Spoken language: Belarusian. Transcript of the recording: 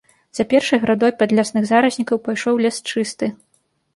За першай градой падлесных зараснікаў пайшоў лес чысты.